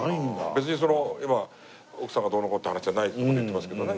別にその今奥さんがどうのこうのって話じゃないとこで言ってますけどね。